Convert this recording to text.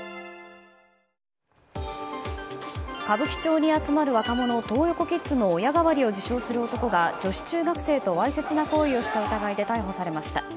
歌舞伎町に集まる若者トー横キッズの親代わりを自称する男が女子中学生とわいせつな行為をした疑いで逮捕されました。